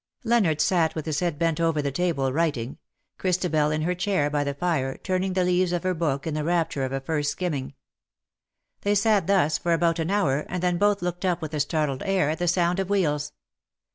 Leonard sat with his head bent over the table, writing, Christ abel in her chair by the fire turning the leaves of her book in the rapture of a first skimming. They sat thus for about an hour, and then both looked up with a startled air, at the sound of wheels.